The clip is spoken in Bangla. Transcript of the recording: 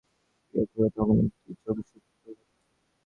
যখনই এক অণু অপর অণুর উপর ক্রিয়া করে, তখনই একটি যোগসূত্রের প্রয়োজন হয়।